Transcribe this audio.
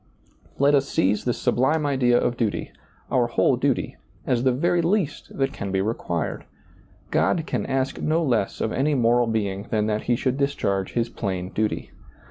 Let us seize this sublime idea of duty, our whole duty, as the very least that can be required. God can ask no less of any moral being than that he should discharge his plain duty.